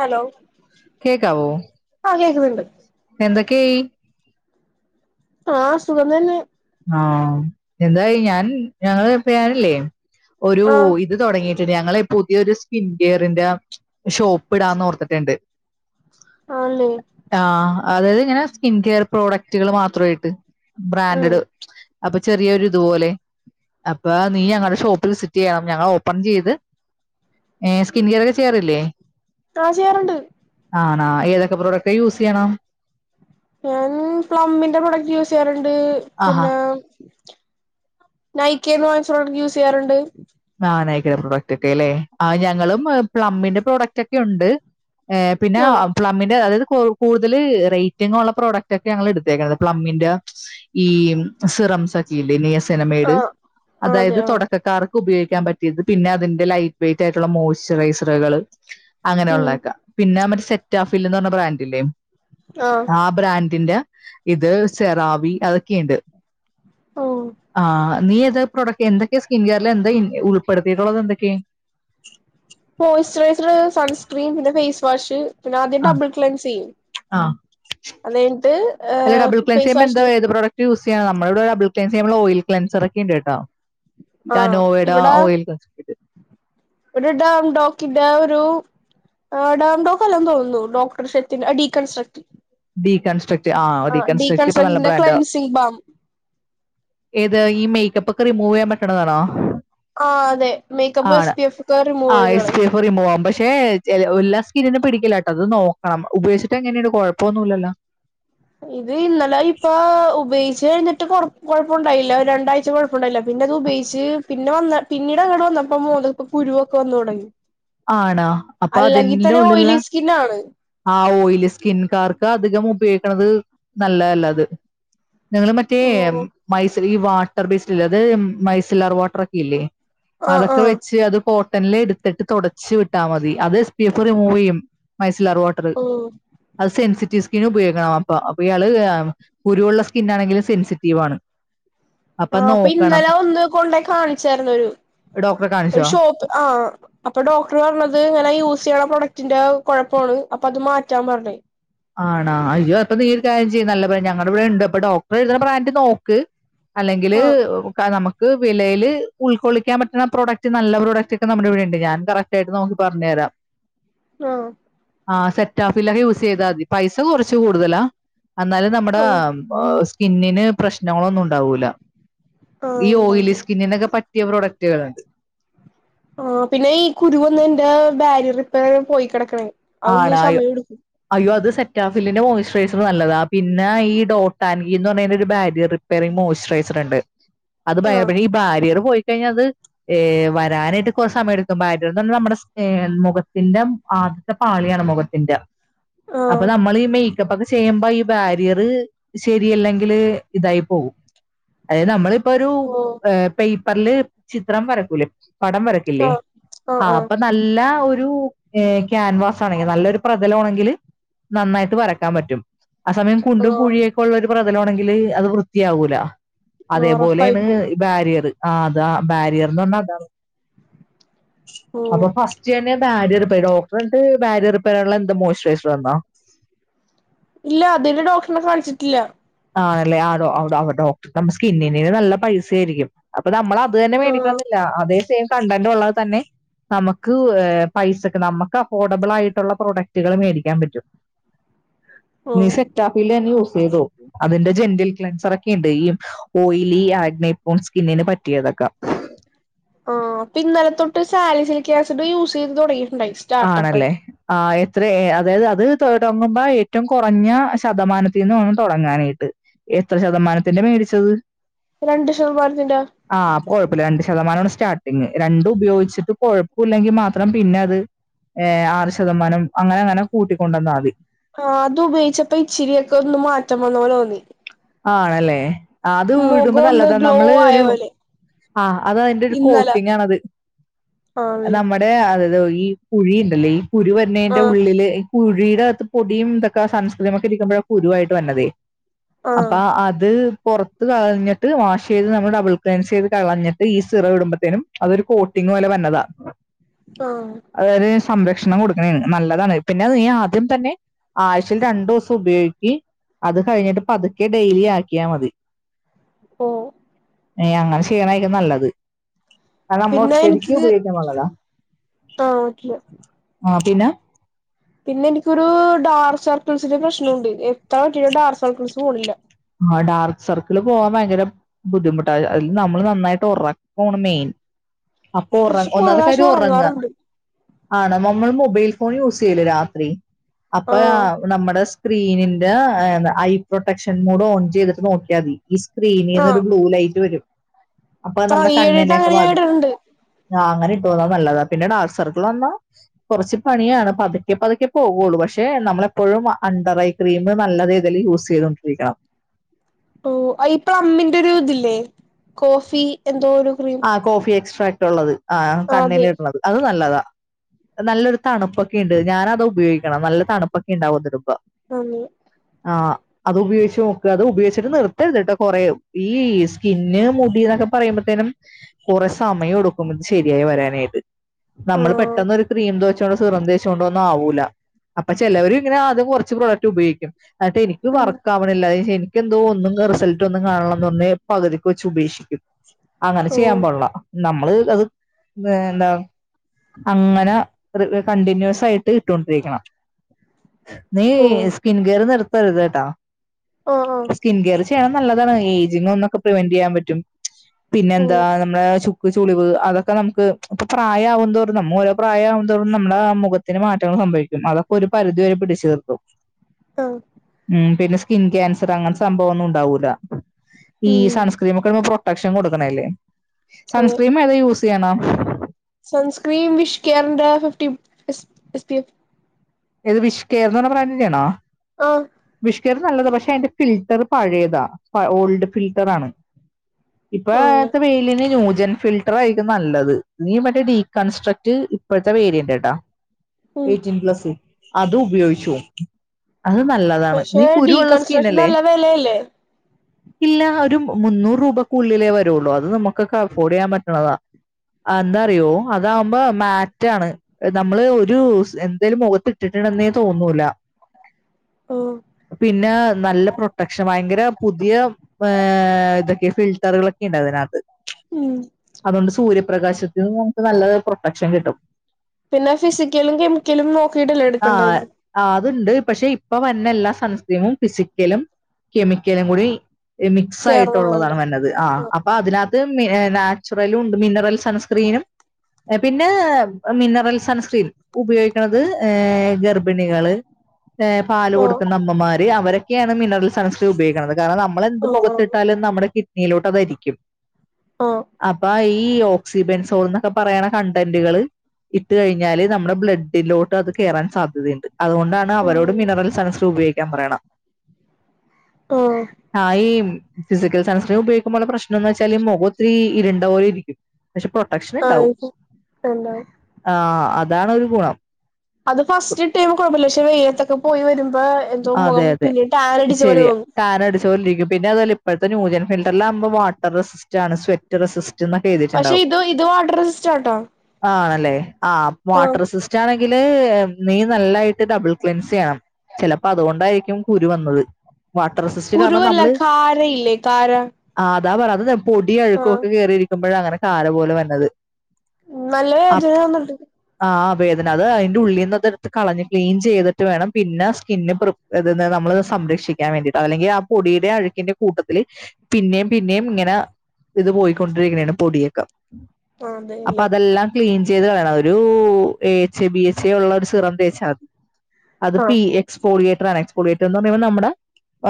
Hello കേക്കാവോ ആഹ് കേക്കുന്നുണ്ട് എന്തൊക്കെയി ആഹ് സുഖതന്നെ ആഹ് എന്തായി ഞാൻ ഞങ്ങള് പേരില്ലേ ഒരു ആഹ് ഇത് തൊടങ്ങി ഞങ്ങളെ പുതിയൊരു സ്കിൻകെയറിന്റെ ഷോപ്പ്ടാന്നർത്തിട്ടുണ്ട് ആന്നേ ആഹ് അതായത് ഇങ്ങനെ സ്കിൻകെയർ പ്രോഡക്റ്റുകള് മാത്രായിട്ട് ഉം ബ്രാൻഡിഡ് അപ്പൊ ചെറിയരുതുപോലെ അപ്പൊ നീ ഞങ്ങളെ ഷോപ്പ് വിസിറ്റ്യ്യണം ഞങ്ങൾ ഓപ്പൺ ചെയ്ത് ഏഹ് സ്കിൻകെയറെക്കെ ചെയ്യാറില്ലേ ആഹ് ചെയ്യാറ്ണ്ട് ആണാ ഏതൊക്കെ പ്രെഡക്റ്റാ യൂസയ്യണ ഞാൻ പ്ലമ്മിന്റെ പ്രൊഡക്റ്റ് യൂസെയ്യാറുണ്ട് ആഹാ പിന്നെ നൈക്കന്ന് വാങ്ങാച്ച് യൂസെയ്യാറുണ്ട് അ നയിക്കയുടെ പ്രെഡക്റ്റ്ക്കെ അല്ലേ ആ ഞങ്ങളും പ്ലംമ്മിന്റെ പ്രെഡക്റ്റൊക്കെ യുണ്ട് ഏഹ് പിന്നാ ആഹ് പ്ലമ്മിന്റെ അതായത് കൂടുതൽ റേറ്റിഗ് ഒള്ള പ്രൊഡക്റ്റക്കെ ഞങ്ങള് എടുത്തേക്കണത് പ്ലമ്മിന്റെ ഈ സിറംസൊക്കെയില്ലേ സിനമേട് ആഹ് അതെ അതായത് ആഹ് തുടക്കക്കാർക്ക് ഉപയോഗിക്കാൻ പറ്റിയത് പിന്നെ അതിന്റെ ലൈറ്റ് വെയിറ്റ് ആയിട്ടുള്ള മോയ്സ്ചറൈസറുകള് അങ്ങനെയ ഉം ഉള്ളതൊക്കെ പിന്നെ മറ്റ സെറ്റാഫിൽന്ന്റഞ്ഞ ബ്രാൻഡില്ലേ ആഹ് ആ ബ്രാൻഡിന്റെ ഇത് സെറാവി അതൊക്കെണ്ട് ഓഹ് ആഹ് നീഏത് പ്രോഡക്റ്റ് എന്തൊക്കെയാ സ്കിൻ കെയറിൽ എന്താ ഉൾപ്പെടുത്തിയിട്ടുള്ളത് എന്തൊക്കെയാ മോയ്സ്ചറൈസർ സൺസ്ക്രീൻ പിന്നെ ഫേസ് വാഷ് പിന്നെ ആദ്യം ആ ഡബിൾ ക്ലെൻസ്യ്യും ആ അത്യ്ഞ്ഞിട്ട അല്ല ഡബിൾ ക്ലെൻസ് ഫേസ് ചെയ്യുമ്പോൾ എന്താ വാഷ്ർ ഏത് പ്രോഡക്റ്റ് യൂസ് ചെയ്യ നമ്മളവിടെ ടബ്ൾകേൻസർ നമ്മള് ഓയിൽകെൻസറൊക്ക ഇണ്ട്ട്ടോ ആഹ് റ്റനോവെട ഇവിടെ ഓയിൽ കെൻസ ഒരു ഡാംഡോക്കിന്റെ ഒരു ആഹ് ഡംഡോക്കല്ലെന്ന തോന്നുന്നു ഡോക്ടർ ശെത്തിന്റെ ഡീ കൺസ്ട്രക്ട് ഡീകൺസ്ട്രക്ട് ആ ഡികൺസ്ട്രക്ടഇപ്പൊ നല്ല ഡീകൺസ്ട്രക്ഷന്റെ ബ്രാൻഡാ ക്ലൻസിങ് ബാം ഏത് ഈ മേക്കപ്പൊക്കെ റിമൂവയ്യാൻ പറ്റണതാണോ ആഹ് അതെ മേക്കപ്പ് എസ് പി എഫൊക്കെ റിമൂവയ്ത്കളയും റിമൂവാ പശെ എല്ലാ സ്കിന്നനു പിടിക്കില്ലട്ടോ അത് നോക്കണം ഉപയോഗിച്ചിട്ട് എങ്ങനെയാണ് കൊഴപ്പ പോന്നുല്ലല്ലാ ഇത് ഇന്നലെ ഇപ്പൊ ഉപയോച്ചഴിഞ്ഞിട്ട് കെഴപ്പുണ്ടായില്ല രണ്ടാഴ്ച കൊഴപ്പ ണ്ടായില്ല പിന്നെ അത് ഉപയോഗിച്ച് പിന്നെ വന്ന പിന്നീട് അങ്ങട്വന്നപ്പ മോന്തകുരുവൊക്കെ വന്നു തൊടങ്ങി ആണാ അപ്പൊ അതെന്റെുള്ളിലുള്ള ഓയിലി സ്കിന്നാണ് ആഹ് ഓയിലി സ്കിൻകാർക്ക് അധികം ഉപയോഗിക്കണത് നല്ലതല്ല അത് നിങ്ങള് മറ്റേ ഓഹ് മൈസല് ഈ വാട്ടർ ബേസറ്റില്ലേ അത് മൈസിലർ വാട്ടറെക്കെ ഇല്ലേ ആഹ് അതൊക്കെ ആഹ് വെച്ച് അത് കോട്ടൺല് എടുത്തിട്ട് തൊട ച്ച് വിട്ടാൽ മതി അത് എസ് പി എഫ് റിമൂവയ്യും മൈസിലർ വാട്ടർ ഓഹ് അത് സെൻസിറ്റീവ് സ്കിൻ ഉപയോഗിക്കണം അപ്പൊ അപ്പൊ ഇയാള് കുരുവുള്ള സ്കിൻ ആണെങ്കിലും സെൻസിറ്റീവ് ആണ്. ആ അപ്പൊ ഇന്നലെ ഒന്ന് കൊണ്ടോയി കാണിച്ചാരുന്നു ഒരു ഡോക്ടറെ ഒരു കാണിച്ചോ ഷോപ്പ് ആഹ് അപ്പൊ ഡോക്ടർ പറഞ്ഞത് ഇങ്ങനെ യൂസ് ചെയ്യണ പ്രൊഡക്ടിന്റെ കൊഴപ്പാണ് അപ്പൊ അത് മാറ്റാൻ പറഞ്ഞ് ആണാ അയ്യോ അപ്പൊ നീയ്യ് ഒരു കാര്യം ചെയ്യ് നല്ല ബ്രാൻഡ് നല്ല ഇവിടെ ഇണ്ട് അപ്പൊ ഡോക്ടറ് എഴുതുന്ന ബ്രാൻഡ് നോക്ക് അല്ലെങ്കില് ആഹ് [unintelligible] നമുക്ക് ഇത് വിലയിൽ ഉൾക്കൊള്ളിക്കാൻ പറ്റുന്ന പ്രൊഡക്ട് നല്ല പ്രൊഡക്റ്റ് ഒക്കെ നമ്മുടെ ഇവിട ഉണ്ട് ഞാൻ കറക്റ്റ് ആയിട്ട് നോക്കി പറഞ്ഞു തരാം. ആഹ് ആ സെറ്റാ ഫില്ലറ് യൂസ് ചെയ്താൽ മതി പൈസ കുറച്ച് കൂടുതലാ എന്നാലും നമ്മുടെ ഓഹ് ഓ സ്കിന്നിന് പ്രശ്നങ്ങളൊന്നും ഉണ്ടാവൂല്ല ആഹ് ഈ ഓയിലി ഉണ്ടായിരുന്നു സ്കിന്നിന്നൊക്കെ പ റ്റിയ പ്രൊഡക്റ്റുകളുണ്ട് ആ പിന്ന ഈ കുരുവന്നയിന്റെ ബാരിയർ റിപ്പയർ പോയി കെടക്കണ് ആണായോ അയ്യോ അത് സെറ്റാഫില്ലിന്റെ മോയിസ്റ്ററേച്ചർ നല്ലതാ പിന്നെ ഈ ഡോട്ട് ആൻഡ് ഗി എന്ന് പറഞ്ഞ ഒരു ബാരിയർ വേറെയും മോയിസ്റ്ററേച്ചറുണ്ട് അത് ആഹ് [unintelligible] ഈ ബാര്യർ പോയിക്കഴിഞ്ഞാൽ അത് ഏഹ് വരാനായിട്ട് കുറെ സമയം എടുക്കും ബാരിയർ എന്ന് പറഞ്ഞ നമ്മുടെ സ് മുഖത്തിന്റെ ആഹ് പാളിയാണ് മുഖത്തിന്റെ അപ്പൊ ആഹ് നമ്മൾ ഈ മേ ക്കപ്പൊക്കെ ചെയ്യുമ്പോ ഈ ബാരിയർ ശരിയല്ലെങ്കില് ഇതായി പോവും. അതായത് നമ്മളിപ്പൊ ഒരു ഓഹ് പേപ്പറില് ചിത്രം വരക്കൂലേ പടം വരക്കു ഇല്ലേ ആഹ് ആഹ് അപ്പൊ നല്ല ഒരു ഏഹ് ക്യാൻവാസ് ആണെങ്കിൽ നല്ലൊരു പ്രതലം ആണെങ്കിൽ നന്നായിട്ട് വരക്കാൻ പറ്റും ആ സമയം കുണ്ടും ആഹ് കുഴിയൊക്കെ ഉള്ള ഒരു പ്രതലമാണെങ്കിൽ അത് വൃത്തിയാവൂല ആഹ് റഫായി അതേപോലെയാണ് പോവും ബാരിയർ ആ അതാ ബാരിയർന്ന് പറഞ്ഞാ അതാ അപ്പൊ ഓഹ് ഇതെന്നെ ബാരിയർ പേ ഡോക്ടർ എന്നിട്ട് ബാരിയറിപ്പേയുള്ള എന്ത് മോയിസ്റ്ററേച്ചർ തന്നോ ഇല്ല അതിന് ഡോക്ടറിനെ കാണിച്ചിട്ടില്ല ആണല്ലേ ആടോ ആടോ അ ഡോക്ടറിന് നമ്മ സ്കിന്നിൻ നല്ല പൈസ ആയിരിക്കും അപ്പൊ നമ്മൾ അത് തന്നെ ആഹ് മേടിക്കണമെന്നില്ല അതേ സെയിം കണ്ടന്റ് ഉള്ളത് തന്നെ നമക്ക് ഏ പൈസക്ക് നമക്ക് അഫോർഡബിൾ ആയിട്ടുള്ള പ്രൊഡക്റ്റുകൾ മേടിക്കാൻ പറ്റും നീ ഓഹ് സെറ്റാഫില്ലന്നെ യൂസ് ചെയ്തോ അതിന്റെ ജെന്റിൽ ക്ലെൻസർ ഒക്കെ ഇണ്ട് ഈ ഓയിലി ആഗ്നൈന് പോൺ സ്കിന്നിന് പറ്റിയതൊക്കെ ആഹ് അപ്പം ഇന്നലെ തൊട്ട് സാലി സിലിക് ആസിഡ് യൂസ് ചെയ്ത് തുടങ്ങിയിട്ടുണ്ടായി സ്റ്റാർട്ടപ്പ് ആണല്ലേ ആയിട്ട് ആ എത്രയെ അതായത് അത് തുടങ്ങുമ്പോ ഏറ്റവും കുറഞ്ഞ ശതമാനത്തിൽ നിന്ന് വേണം തുടങ്ങാനായിട്ട് എത്ര ശതമാനത്തിന്റെ മേടിച്ചത് രണ്ട് ശതമാനത്തിന്റെ ആഹ് അപ്പോ കൊഴപ്പില്ല രണ്ട് ശതമാനമാണ് സ്റ്റാർട്ടിങ്ങ് രണ്ടും ഉപയോഗിച്ചിട്ട് കൊഴപ്പില്ലെങ്കിൽ മാത്രം പിന്നെ അത് ഏ ആറ് ശതമാനം അങ്ങനെ അങ്ങനെ കൂട്ടിക്കൊണ്ടന്നാൽ മതി. ആഹ് അത് ഉപയോഗിച്ചപ്പം ഇച്ചിരിയൊക്കെ ഒന്ന് മാറ്റം വന്ന പോലെ തോന്നി ആണല്ലേ അത് ഇടുമ്പോ മുഖം ഒന്ന് നല്ലതാ ഗ്ലോ നമ്മള് ആയ ഒരു പോലെ ആഹ് അത് അതിന്റെ ഒരു ഇന്നലെ കോട്ടിങ്ങ് ആണത് അത്‌ ആണല്ലേ നമ്മ ടെ അത് ഈ കുഴി ഇണ്ടല്ലേ ഈ കുരു വന്നെന്റെ ആഹ് ഉള്ളില് കുഴിയുടെ അത് പൊടിയും ഇതൊക്കെ സൺസ്ക്രീം ഒക്കെ ഇരിക്കുമ്പോഴ കുരുവ ആയിട്ട് വര്ണതെ ആഹ് അപ്പാ അത് പുറത്ത് കളഞ്ഞിട്ട് വാഷ് ചെയ്ത് നമ്മൾ ഡബിൾ ക്ലൈൻസ് ചെയ്ത് കളഞ്ഞിട്ട് ഈ സിറം ഇടുമ്പത്തേനും അതൊരു കോട്ടിങ്ങ് പോലെ വന്നതാ ആഹ് അതായത് സംരക്ഷണം കൊടുക്കണയാണ് നല്ലതാണ് പിന്നെ നീ ആദ്യം തന്നെ ആഴ്ചയിൽ രണ്ടു ദിവസം ഉപയോഗിക്കി അത് കഴിഞ്ഞിട്ട് പതുക്കെ ഡെയിലി ആക്കിയാൽ മതി. ഓ ഇനി അങ്ങനെ ചെയ്യണായിരിക്കും നല്ലത് അത് പിന്നെ നമ്മളൊറ്റടിക്ക് എനിക്ക് ഉപയോഗിക്കാൻള്ളതാല്ല ആഹ് പറ്റില്ല ആ പിന്നെ പിന്നെ എനിക്കൊരു ഡാർക്ക് സർക്കിൾസിന്റെ പ്രശ്നുണ്ട് എത്ര അകിയിട്ടും ഡാർക്ക് സർക്കിൾസ് പോണില്ല ആ ഡാർക്ക് സർക്കിള് പോവാൻ ഭയങ്കര ബുദ്ധിമുട്ടാ അതില് നമ്മള് നന്നായിട്ട് ഒറക്കാണ് മെയിൻ അപ്പൊ ഒറ പക്ഷെ കുറെ ഒന്നാത്തെ പ്രാവശ്യം കാര്യം ഒറങ്ങ ഉറങ്ങാറുണ്ട് ആണ് നമ്മൾ മൊബൈൽ ഫോൺ യൂസ് ചെയ്യില്ലേ രാത്രി അപ്പ ആഹ് നമ്മുടെ സ്ക്രീനിന്റെ ഐ പ്രൊട്ടക്ഷൻ മോഡ് ഓൺ ചെയ്തിട്ട് നോക്കിയാതി ഈ സ്ക്രീനിൽന്ന് ആഹ് ഒരു ബ്ലൂ ലൈറ്റ് വരും അപ്പൊ അത് ആഹ് നമ്മുടെ ഈയിടെയായിട്ട് കണ്ണിനെക്കെ അങ്ങനെ ഞാൻ ബാധിക്കും ഇടലുണ്ട് ആഹ് അങ്ങനെ ഇട്ടൊ അതാ നല്ലത് പിന്നെ ഡാർക്ക് സർക്കിൾ വന്നാ കുറച്ച് പണിയാണ് പതുക്കെ പതുക്കെ പോകുള്ളൂ പക്ഷെ നമ്മളെപ്പോഴും അണ്ടർ ഐ ക്രീം നല്ല രീതിയിൽ യൂസ് ചെയ്തോണ്ടിരിക്കണം ഓ ഈ പ്ലമ്മിന്റെ ഒരു ഇതില്ലേ കോഫി എന്തോ ഒരു ക്രീം ആ കോഫി എക്സ്ട്രാക്ട് ഉള്ളത് ആ ആഹ് അതെ കണ്ണില് ഇടണത് അത് നല്ലതാ അത് നല്ലൊരു തണുപ്പൊക്കെ ഇണ്ട് ഞാന് അതാ ഉപയോഗിക്ക്ണത് നല്ല തണുപ്പൊക്കെ ഇണ്ടാവും അത് ഇടുമ്പോ ആന്ന് ആഹ് അത് ഉപയോഗിച്ച് നോക്ക് അത് ഉപയോഗിച്ചിട്ട് നിർത്തരുത്ട്ടൊ കൊറെേ ഈ സ്കിൻ മുടി എന്നൊക്കെ പറയുമ്പോത്തേനും കുറേ സമയം എടുക്കും ഇത് ശെരിയായി വരാനായിട്ട് നമ്മൾ ആഹ് പെട്ടെന്ന് ഒരു ക്രീം തച്ചോണ്ട് സിറം തേച്ച് ചൊണ്ടൊന്നും ആവൂല അപ്പൊ ചിലവര് ഇങ്ങനെ ആദ്യം കുറച്ച് പ്രൊഡക്റ്റ് ഉപയോഗിക്കും എന്നട്ട് എനിക്ക് ആഹ് വർക്ക് ആവണില്ല എനിക്ക് എന്തോ ഒന്നും റിസൾട്ട് ഒന്നും കാണ്ല്ലാന്ന് പറഞ്ഞ് പകുതിക്ക് വെച്ച് ഉപേക്ഷിക്കും അങ്ങനെ ഓ ചെയ്യാൻ പാടിള്ള നമ്മള് അത് എന്താ അങ്ങനെ കണ്ടിന്യൂസ് ആയിട്ട് ഇട്ടൊണ്ടിരിക്കണം നീ ഓ സ്കിൻകെയർ നിർത്തരുത്ട്ടൊ ആഹ് ആഹ് സ്കിൻ കെയർ നല്ലതാണ് ഏജിന്നൊക്കെ പ്രിവന്റ് ചെയ്യാൻ പറ്റും പിന്നെ ഓ എന്താ നമ്മുടെ ചുക്ക് ചുളിവ് അതൊക്കെ നമുക്ക് ഇപ്പൊ പ്രായമാവതോറും നമ്മൾ ഓരോ പ്രായമാവും തോറും നമ്മുടെ മുഖ ത്തിന് മാറ്റങ്ങൾ സംഭവിക്കും അതൊക്കെ ഒരു പരിധി വരെ പിടിച്ചു നിർത്തും ആ ഉം പിന്നെ സ്കിൻ ക്യാൻസർ അങ്ങനത്തെ സംഭവം ഒന്നും ഉണ്ടാവൂല ഈ ഉം സൺസ് ക്രീമൊക്കെ പ്രൊട്ടക്ഷൻ കൊടുക്കണല്ലേ അതെ സൺസ്ക്രീം ഏതാ യൂസ് ചെയ്യണെ? സൺസ്ക്രീൻ വിഷ് കെയറിന്റെ ഫിഫ്റ്റി എസ് പി എഫ് ഏത് വിഷ് കെയർ എന്ന് പറയണ ബ്രാൻഡിന്റെയാണോ? ആ വിഷുകെയർ നല്ലതാ പക്ഷെ അതിന്റെ ഫിൽട്ടർ പഴയതാ ഓൾഡ് ഫിൽട്ടർ ആണ് ആണല്ലേ ഇപ്പൊഴത്തെ വെയി യിലിന് ന്യൂജൻ ഫിൽട്ടർ ആയിരിക്കും നല്ലത് ഇ മറ്റേ ഡീകൺസ്ട്രക്ട് ഇപ്പോഴത്തെ വെയിലിന്റെ ട്ടോ ഉം എയ്ടീൻപ്ലസ് അത് ഉപയോഗിച്ചു നോക്ക് അത് നല്ലതാ ആണ് നീ പക്ഷെ കുരുവൊള്ള സ്കീൻ ഡീകൺസ്ട്രക്ഷൻ അല്ലേ? നല്ല വെലയല്ലേ ഇല്ല ഒരു മുന്നൂറ് രൂപക്കുള്ളിലേ വരുള്ളൂ അത് നമുക്കൊക്കെ അഫോർഡ് ചെയ്യാൻ പറ്റുന്നതാ എന്താറിയോ അതാകുമ്പോ മാറ്റാണ് നമ്മള് ഒരു സ് എന്തേലും മുഖത്ത് ഇട്ടിട്ടുണ്ടെന്നേ തോന്നൂല ഓ പിന്നെ നല്ല പ്രൊട്ടക്ഷൻ ഭയങ്കര പുതിയ ഏ ഇതൊക്കെ ഫിൽട്ടറുകളൊക്കെ ഇണ്ട് അതിനകത്ത് ഉം അതുകൊണ്ട് സൂര്യപ്രകാശത്തിന്ന് നമുക്ക് നല്ല പ്രൊട്ടക്ഷൻ കിട്ടും പിന്നെ ഫിസിക്കലും കെമിക്കലും നോക്കിയിട്ടല്ലേ എടുക്കേണ്ടത് ആ അതുണ്ട് പക്ഷെ ഇപ്പൊ വന്ന എല്ലാ സൺസർക്രീമും ഫിസിക്കലും കെമിക്കലും കൂടി ഏഹ് മിക്സ് ആയിട്ടുള്ളതാണ് ചേർന്നതല്ലേ നല്ലത് ആഹ് അപ്പ അതിനാത് ഇത് മി ഏഹ് നാച്ചുറലും ഉണ്ട് മിനറൽ സൺസ്ക്രീനും ഏഹ് പിന്നേ മിനറൽ സൺസ്ക്രീൻ ഉപയോഗിക്ക്ണത് ഏഹ് ഗർഭിണികള് ഏഹ് പാലു ആഹ് കൊടുക്കുന്ന അമ്മമാര് അവരെ ക്കെയാണ് മിനറൽ സൺസ് ഉപയോഗിക്കുന്നത് കാരണം നമ്മളെന്ത് ആഹ് ആഹ് മുഖത്തിട്ടാലും നമ്മുടെ കിഡ്നിയിലോട്ട് അതരിക്കും ആഹ് അപ്പ ഈഹ് ഓഹ് സിബെൻസോൾന്നൊക്കെ പറയ്ണ കണ്ടന്റ്കള് ഇട്ട് കഴിഞ്ഞാല് നമ്മളെ ബ്ലഡ്ലോ ട്ട് അത് കേറാൻ സാധ്യത ഇണ്ട്. അതുകൊണ്ടാണ് ആഹ് അവരോടും മിനറൽ സൺസ് ഉപയോഗിക്കാൻ പറയണം.. ഓഹ് ആഹ് ഈ ഫിസിക്കൽ സൺസ്ക്രീമ് ഉപയോഗിക്കുമ്പോള്ള പ്രശ്നംന്ന് വെച്ചാല് മുഖ ഒത്തിരി ഇരുണ്ട പോലെ ഇരിക്കും. പക്ഷെ പ്രൊട്ടക്ഷൻ ആഹ് ഉണ്ടാവും എന്താവും ആഹ് അതാണൊരു ഗുണം അത് ഫസ്റ്റിട്ട് കൊഴപ്പല്ല പക്ഷെ വെയിലത്തൊക്കെ പോയി വരുമ്പോ ത്തും അതെ മുഖവും പിന്നെ ട്ടാനടിച്ച പോലെ തോന്നും. ചോ [unintelligible] പിന്നെ അതുവല്ല ഇപ്പഴത്തെ ന്യൂജനും ഫിൽറ്ററിൽ ആകുമ്പോ വാട്ടർ റസിസ്റ്റാണ് സ്വെറ്റ് റസിസ്റ്റന്ന് പക്ഷെ ഇതു ഇതു വാട്ടർ സിസ്റ്റാട്ടാ. ആണല്ലേ ആഹ് വാട്ടർ സിസ്റ്റാണെങ്കില് നീ നല്ലായിട്ട് ഡബിൾ ക്ലിൻസ് ചെയ്യണം. അപ്പതുകൊണ്ടായിരിക്കും കുരു വന്നത്. വാട്ടർ റെസിസ് കുരുവല്ല കാര ഇല്ലേ കാര ആഹ് ആതാ പറാ അത് ഇത് പൊടി ആഹ് അഴുക്കൊക്കെ കേറി ഇരിക്കുമ്പഴാ അങ്ങനെ കാല പോലെ വര്ന്നത് ന്നല്ല വേദനെന്ന്ണ്ട്. ആഹ് വേദന അത് അയിന്റെ ഉള്ളീന്ന് അതെടുത്ത് കളഞ്ഞ് ക്ലീൻ ചെയ്തിട്ട് വേണം പിന്ന സ്കിന്ന് പ്രി ഇത് എന്ത നമ്മള് സംരക്ഷിക്കാൻ വേണ്ടിട്ട് അല്ലെങ്കി ആ പൊടിയുടേം അഴുക്കിന്റെയും കൂട്ടത്തില് പിന്നെയും പിന്നെയും ഇങ്ങനെ ഇത് പോയിക്കൊണ്ടിര്ക്ക്ണേണെ പൊടിയൊക്ക. ആഹ് അപ്പ അതെല്ലേ അതെല്ലാം ക്ലീൻ ചെയ്ത് കളയണം ഒരൂ A H A B H A ഉള്ള ഒരു സിറം തേച്ചാ മതി അത് ആഹ് പി എക്സ്പോളിയേറ്ററാണ്, എക്സ്പോളിയേറ്റർന്ന് പറയുമ്പോ നമ്മുടെ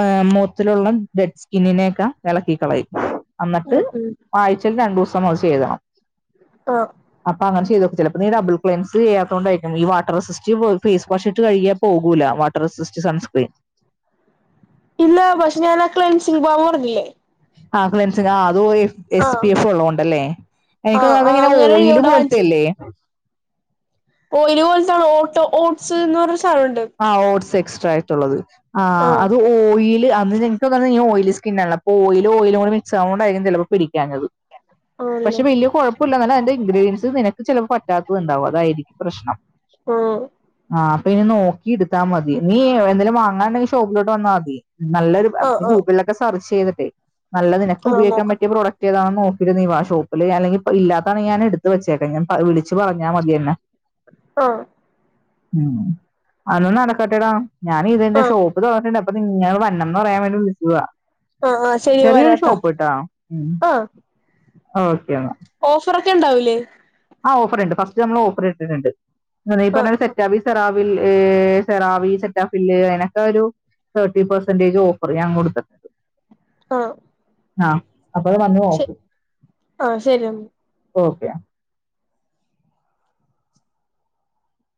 ഏഹ് മോത്തിലുള്ള ഡെഡ് സ്കിന്നിനെയൊക്കെ എളക്കി കളയും. അന്നട്ട് ഉം ഉം ആഴ്ച്ചയിൽ രണ്ടൂസം അത് ചെയ്യണം. ആഹ് അപ്പ അങ്ങനെ ചെയ്തോക്ക് ചെലപ്പ നീ ഡബിൾ ക്ലൻസ് ചെയ്യാത്തോണ്ടായിരിക്കും ഈ വാട്ടർ റെസിസ് ഈ ഫേസ് വാഷ് ഇട്ട് കഴികിയാ പോകൂലാ വാട്ടർ റെസിസ്റ്റ് സൺസ്ക്രീൻ ഇല്ല പക്ഷെ ഞാന് ആ ക്ലൈൻസിംഗ് പാവു പറഞ്ഞില്ലേ ആഹ് ക്ലൻസിങ്ങ് അതു പോയി എസ് ആഹ് പി എഫ് ഉള്ളോണ്ടല്ലേ, എനിക്ക് ആഹ് തോന്ന് അത് ആഹ് ഇങ്ങനെ അങ്ങനെ ഓയില് എഴുതിയോണ്ടാ പോൽത്തെല്ലേ? ഒയിലു പോലെത്താണോ ഓട്ടോ ഓട്ട്സ് ന്ന് പറഞ്ഞ സാനോണ്ട് ആഹ് ഓട്സ് എക്സ്ട്രായ്ട്ടുള്ളത് ആഹ് അത് ഓയില് അന്ന് ഞ ത്യം പറഞ്ഞാ ഞാൻ ഓയിലി സ്കിന്നുള്ളാ പ്പോ ഓയില് ഓയിലും കൂടി മിക്സ് ആവുന്നോണ്ടായിരിക്കും ചെലപ്പോ പിടിക്കാഞ്ഞത് പക്ഷെ ആണല്ലേ വല്യ കൊഴപ്പ് ക്കൂല്ല അല്ല അതിന്റെ ഇൻഗ്രീഡിയൻസ് നിനക്ക് ചെലപ്പ പറ്റാത്തത് ഉണ്ടാവും അതായിരിക്കും പ്രശ്നം ഓഹ്. ആഹ് അപ്പം ഇനി നോക്കി ഇടുത്താ മതി നീ എന്തേലും വാങ്ങാനുണ്ടെങ്കി ഷോപ്പിലോട്ട് വന്നാ മതി നല്ലൊരു അത് ആഹ് നീ ആഹ് ഗൂഗിളിലൊക്കെ സെർച്ച് ചെയ്തിട്ടേ നല്ലത് നിനക്ക് ആഹ് ഉപയോഗിക്കാൻ നോക്കാം പറ്റിയ പ്രോഡക്റ്റ് ഏതാണെന്ന് നോക്കീട്ട് നീ വാ ഷോപ്പില് അല്ലെങ്കി ഇപ് ഇല്ലാത്താണെങ്കി ഞാൻ എടുത്തു വെച്ചേക്കാം ഞാൻ പ വിളിച്ച് പറഞ്ഞാ മതി എന്നെ [unintelligible] ഉം അന്നാ നടക്കട്ടെടാ ഞാൻ ഇതെന്റെ ആഹ് ഷോപ്പ് തൊറന്നിട്ടുണ്ട് അപ്പൊ നിങ്ങള് വരണം ന്ന് പറയാൻ വേണ്ടി വിളിച്ചതാ. ആഹ് ആഹ് ശരി ചെറിയൊരു വരാട്ടോ ഷോപ്പ്ട്ടാ ഉം ആഹ് ഓക്കെന്നാ. ഓഫറൊക്കെ ഇണ്ടാവൂലേ? ആഹ്, ഓഫറിണ്ട്. ഫസ്റ്റ് നമ്മൾ ഓഫർ ഇട്ടിട്ടുണ്ട്. ഈ ആഹ് പറഞ്ഞ സെറ്റാ പീസ്. സെറാവിൽ, ഏഹ് സെറാവി, സെറ്റാഫില് അയനൊക്കെരു. തേർട്ടി പെർസെന്റേജ് ഓഫർ ഞാൻ കൊടുത്തത് ആ ആഹ അപ്പൊത് വന്ന് ആഹ് ശരി എന്നാ നോക്കുംഓക്കെ